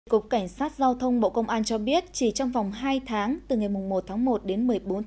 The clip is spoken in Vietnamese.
cục cảnh sát giao thông bộ công an cho biết chỉ trong vòng hai tháng từ ngày một tháng một đến một mươi bốn tháng